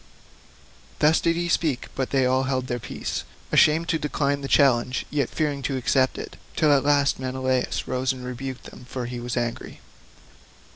Thus did he speak, but they all held their peace, ashamed to decline the challenge, yet fearing to accept it, till at last Menelaus rose and rebuked them, for he was angry.